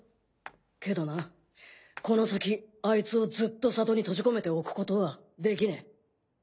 けどなこの先アイツをずっと里に閉じ込めておくことはできねえ。